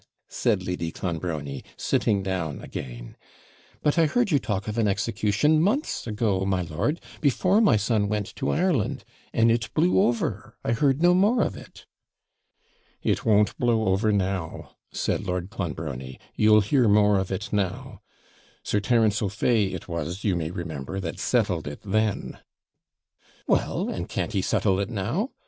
said Lady Clonbrony, sitting down again; 'but I heard you talk of an execution months ago, my lord, before my son went to Ireland, and it blew over I heard no more of it.' 'If won't blow over now,' said Lord Clonbrony; 'you'll hear more of it now. Sir Terence O'Fay it was, you may remember, that settled it then.' 'Well, and can't he settle it now?